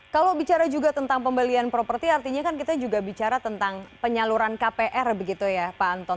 kalau bicara juga tentang pembelian properti artinya kan kita juga bicara tentang penyaluran kpr begitu ya pak anton